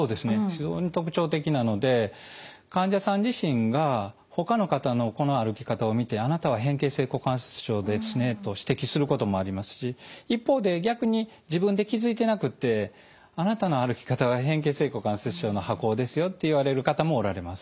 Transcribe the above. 非常に特徴的なので患者さん自身がほかの方のこの歩き方を見てあなたは変形性股関節症ですねと指摘することもありますし一方で逆に自分で気付いてなくってあなたの歩き方は変形性股関節症の跛行ですよって言われる方もおられます。